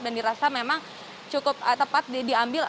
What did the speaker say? dan dirasa memang cukup tepat diambil